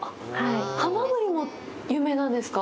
ハマグリも有名なんですか？